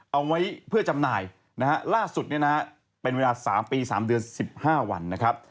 เอาไว้เพื่อจำหน่ายนะฮะล่าสุดเนี่ยนะฮะเป็นเวลา๓ปี๓เดือน๑๕วันนะครับ